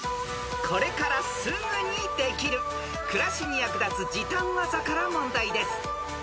これからすぐにできる暮らしに役立つ時短技から問題です］